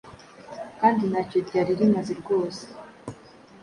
kandi ntacyo ryari rimaze rwose.